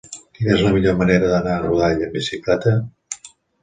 Quina és la millor manera d'anar a Godall amb bicicleta?